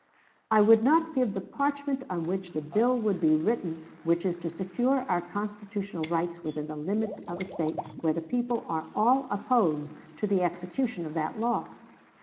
I would not give the parchment on which the bill would be written which is to secure our constitutional rights within the limits of a State where the people are all opposed to the execution of that law.